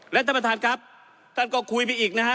และท่านประธานครับท่านก็คุยไปอีกนะฮะ